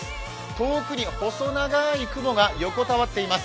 遠くに細長い雲が横たわっています。